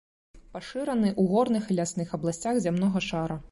Пашыраны ў горных і лясных абласцях зямнога шара.